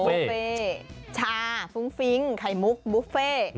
ชาฟรุ้งฟริ้งไข่มุกบุฟเฟ่